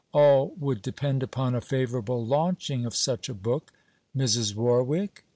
All would depend upon a favourable launching of such a book. 'Mrs. Warwick?